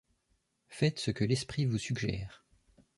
Faites ce que l'Esprit vous suggère.